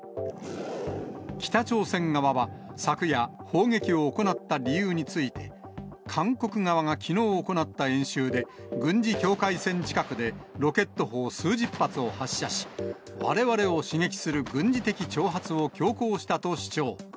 北朝鮮側は、昨夜、砲撃を行った理由について、韓国側がきのう行った演習で、軍事境界線近くでロケット砲数十発を発射し、われわれを刺激する軍事的挑発を強行したと主張。